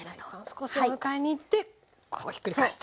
少しお迎えにいってこうひっくり返すと。